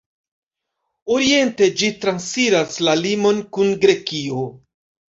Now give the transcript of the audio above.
Oriente ĝi transiras la limon kun Grekio.